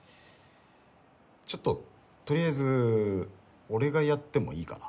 ちょっととりあえず俺がやってもいいかな？